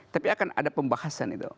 tapi akan ada pembahasan itu